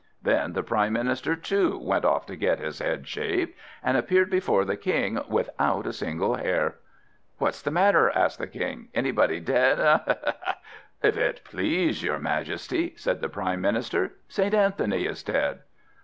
Then the Prime Minister too went off to get his head shaved, and appeared before the King without a single hair. "What's the matter?" asked the King; "anybody dead, hey, hey, hey?" "If it please your Majesty," said the Prime Minister, "St. Anthony is dead."